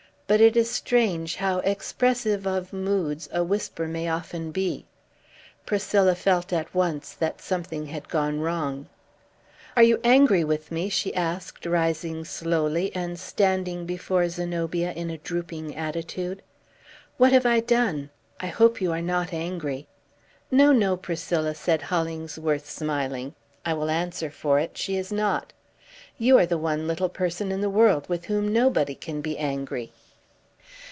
But it is strange how expressive of moods a whisper may often be. Priscilla felt at once that something had gone wrong. "Are you angry with me?" she asked, rising slowly, and standing before Zenobia in a drooping attitude. "What have I done? I hope you are not angry!" "No, no, Priscilla!" said Hollingsworth, smiling. "I will answer for it, she is not. You are the one little person in the world with whom nobody can be angry!"